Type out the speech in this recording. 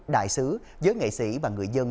đại sứ giới nghệ sĩ và người dân